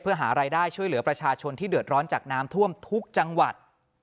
เพื่อหารายได้ช่วยเหลือประชาชนที่เดือดร้อนจากน้ำท่วมทุกจังหวัด